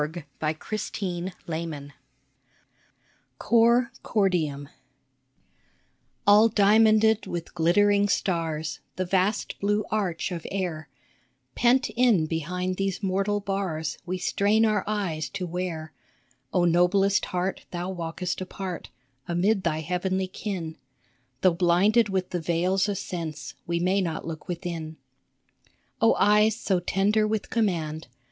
COR CORDIUM COR CORDIUM A,L diamonded with glittering stars The vast blue arch of air ; Pent in behind these mortal bars We strain our eyes to where, Oh noblest heart, thou walkest apart Amid thy heavenly kin. Though blinded with the veils of sense, We may not look within. Oh eyes so tender with command